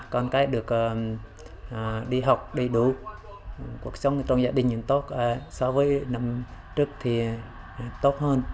con cái được đi học đầy đủ cuộc sống trong gia đình cũng tốt so với năm trước thì tốt hơn